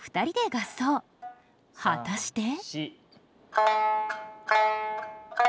果たして？